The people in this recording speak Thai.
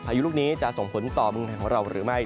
พายุลูกนี้จะส่งผลต่อมึงของเราหรือไม่